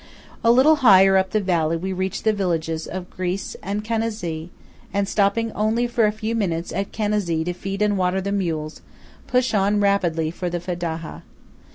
A little higher up the valley we reach the villages of Gries and Canazei; and, stopping for only a few minutes at Canazei to feed and water the mules, push on rapidly for the Fedaja.